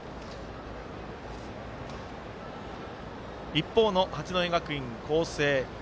一方の八戸学院光星。